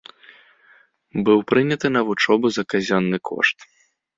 Быў прыняты на вучобу за казённы кошт.